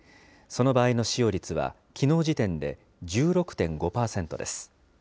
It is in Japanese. その場合の使用率はきのう時点で１６．５％です。